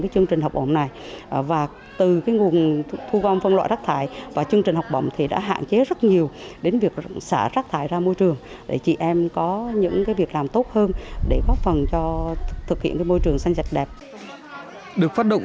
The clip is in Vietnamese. các hội viên triệu phụ nữ tổ ba mươi ba lại tổ chức thu gom và phân loại rác thải để các em tiếp tục được đến trường